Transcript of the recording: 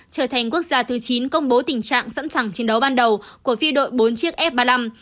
trở thành quốc gia thứ chín công bố tình trạng sẵn sàng chiến đấu ban đầu của phi đội bốn chiếc f ba mươi năm